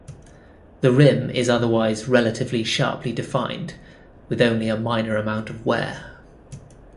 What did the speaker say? The rim is otherwise relatively sharply defined, with only a minor amount of wear.